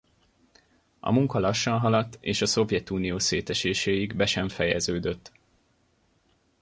A munka lassan haladt és a Szovjetunió széteséséig be sem fejeződött.